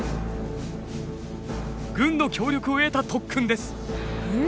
軍の協力を得た特訓です！